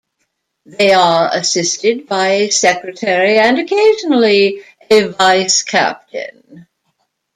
They are assisted by a Secretary and occasionally a Vice-Captain.